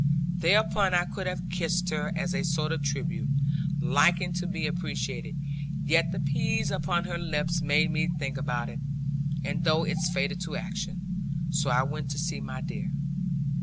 Thereupon I could have kissed her as a sort of tribute, liking to be appreciated; yet the peas upon her lips made me think about it; and thought is fatal to action. So I went to see my dear.